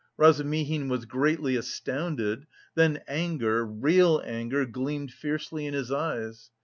Razumihin was greatly astounded, then anger, real anger gleamed fiercely in his eyes.